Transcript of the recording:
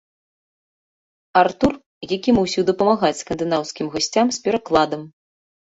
Артур, які мусіў дапамагаць скандынаўскім гасцям з перакладам.